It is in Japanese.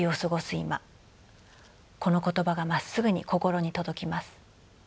今この言葉がまっすぐに心に届きます。